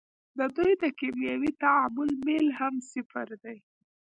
د دوی د کیمیاوي تعامل میل هم صفر دی.